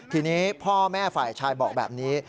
ทีนี้พ่อแม่ฝ่ายชายบอกแบบนี้